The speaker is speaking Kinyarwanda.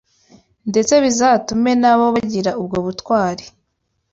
ndetse bizatume na bo bagira ubwo butwari